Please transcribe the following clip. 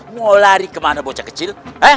mau lari kemana bocah kecil